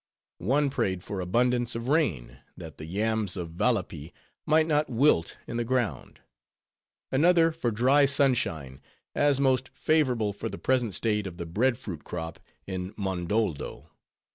One prayed for abundance of rain, that the yams of Valapee might not wilt in the ground; another for dry sunshine, as most favorable for the present state of the Bread fruit crop in Mondoldo.